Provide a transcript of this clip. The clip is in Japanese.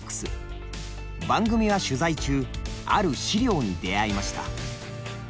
番組は取材中ある資料に出会いました。